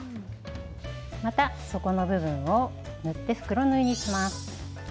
また底の部分を縫って袋縫いにします。